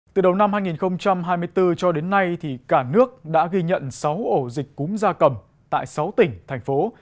từ đầu năm hai nghìn hai mươi bốn cho đến nay cả nước đã ghi nhận sáu ổ dịch cúm da cầm tại sáu tỉnh thành phố